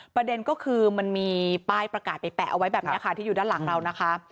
ประเด็นก็คือมันมีป้ายประกาศไปแปะเอาไว้แบบนี้ค่ะที่อยู่ด้านหลังเรานะคะ